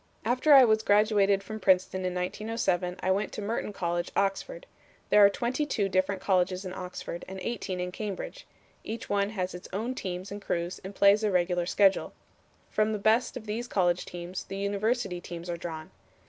"After I was graduated from Princeton in 1907 I went to Merton College, Oxford. There are twenty two different colleges in Oxford and eighteen in Cambridge. Each one has its own teams and crews and plays a regular schedule. From the best of these college teams the university teams are drawn.